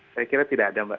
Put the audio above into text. saya kira tidak ada mbak